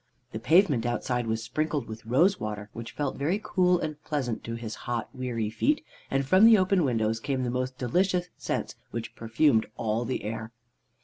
The pavement outside was sprinkled with rose water, which felt very cool and pleasant to his hot, weary feet, and from the open windows came the most delicious scents which perfumed all the air.